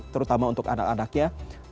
terutama untuk anak anaknya